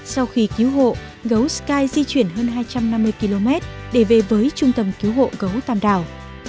sau khi cứu hộ gấu sky di chuyển hơn hai trăm năm mươi km để về với trung tâm cứu hộ gấu tàm đào